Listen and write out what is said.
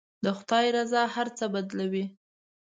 د خدای رضا هر څه بدلوي.